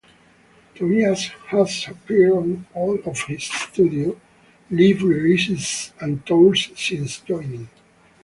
Tobias has appeared on all of his studio, live releases and tours since joining.